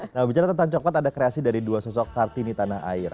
nah bicara tentang coklat ada kreasi dari dua sosok kartini tanah air